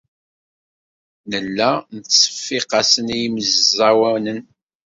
Nella nettseffiq-asen i yemẓawanen.